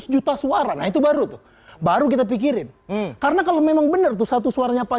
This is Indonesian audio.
seratus juta suara nah itu baru tuh baru baru kita pikirin karena kalau memang benar tuh satu suaranya pak